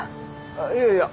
あっいやいや。